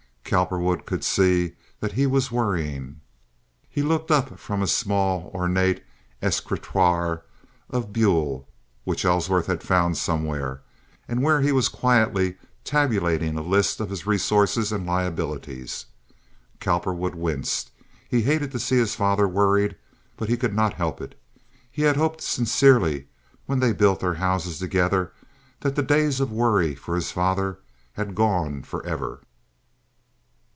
Cowperwood could see that he was worrying. He looked up from a small, ornate escritoire of buhl, which Ellsworth had found somewhere, and where he was quietly tabulating a list of his resources and liabilities. Cowperwood winced. He hated to see his father worried, but he could not help it. He had hoped sincerely, when they built their houses together, that the days of worry for his father had gone forever.